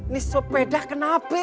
nih sepeda kenapa